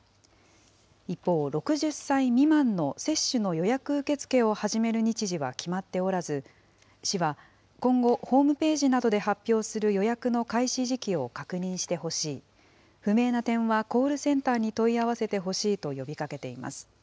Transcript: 一方、６０歳未満の接種の予約受け付けを始める日時は決まっておらず、市は、今後、ホームページなどで発表する予約の開始時期を確認してほしい、不明な点はコールセンターに問い合わせてほしいと呼びかけています。